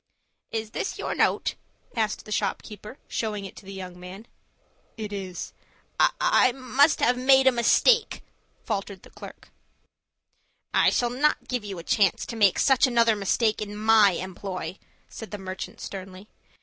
"Is this your note?" asked the shopkeeper, showing it to the young man. "It is." "I must have made a mistake," faltered the clerk. "I shall not give you a chance to make such another mistake in my employ," said the merchant sternly.